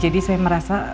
jadi saya merasa